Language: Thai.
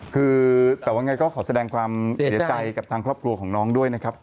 คือแต่ว่าไงก็ขอแสดงความเสียใจกับทางครอบครัวของน้องด้วยนะครับ